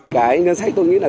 cái ngân sách tôi nghĩ là